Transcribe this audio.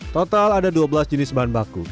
total ada dua belas jenis bahan baku